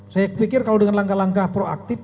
saya pikir kalau dengan langkah langkah proaktif